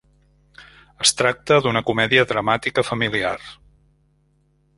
Es tracta d'una comèdia dramàtica familiar.